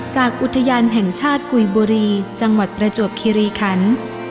อุทยานแห่งชาติกุยบุรีจังหวัดประจวบคิริคัน